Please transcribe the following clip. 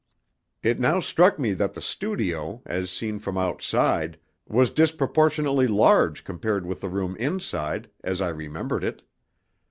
It now struck me that the studio, as seen from outside, was disproportionately large compared with the room inside, as I remembered it.